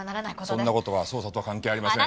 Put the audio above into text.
そんな事は捜査とは関係ありません。